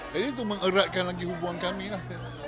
jadi itu mengeratkan lagi hubungan kami lah